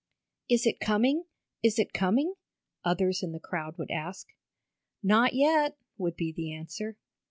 "Is it coming? Is it coming?" others in the crowd would ask. "Not yet," would be the answer.